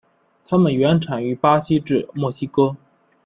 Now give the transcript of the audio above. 它们原产于巴西至墨西哥。